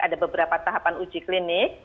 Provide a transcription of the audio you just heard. ada beberapa tahapan